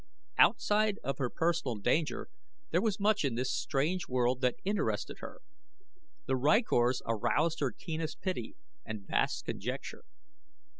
Outside of her personal danger there was much in this strange world that interested her. The rykors aroused her keenest pity, and vast conjecture.